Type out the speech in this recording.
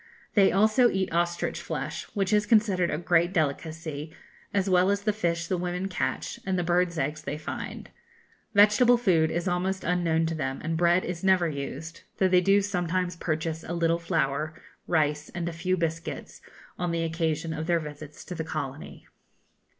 They also eat ostrich flesh, which is considered a great delicacy, as well as the fish the women catch, and the birds' eggs they find. Vegetable food is almost unknown to them, and bread is never used, though they do sometimes purchase a little flour, rice, and a few biscuits, on the occasion of their visits to the colony.